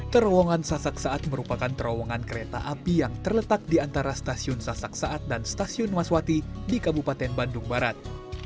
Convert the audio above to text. terowongan sasak saat merupakan terowongan kereta api yang terletak di antara stasiun sasak saat dan stasiun maswati di kabupaten bandung barat